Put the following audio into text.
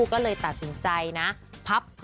โดมเนี้ยบอกเลยว่าโอ้โห